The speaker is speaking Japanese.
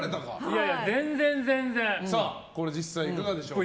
これ実際いかがでしょうか。